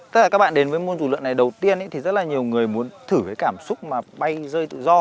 tất cả các bạn đến với môn dụ lượng này đầu tiên thì rất là nhiều người muốn thử cái cảm xúc mà bay rơi tự do